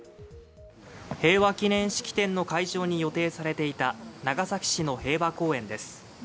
平和祈念式典の会場に予定されていた、長崎市の平和公園です。